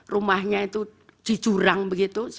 rumahnya itu di jurang begitu